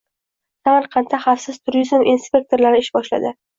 Samarqandda xavfsiz turizm inspektorlari ish boshladi